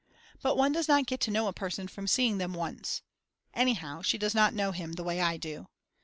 But one does not get to know a person from seeing them once. Anyhow she does not know him the way I do.